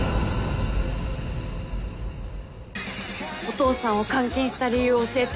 お父さんを監禁した理由を教えて。